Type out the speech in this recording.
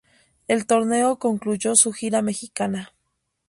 El torneo concluyó su gira mexicana.